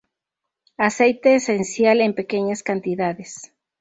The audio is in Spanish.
Aceite esencial en pequeñas cantidades.